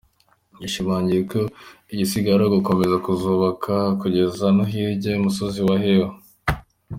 Yashimangiye ko igisigaye ari ugukomeza kuzubaka kugeza no hirya y’umusozi wa Hehu.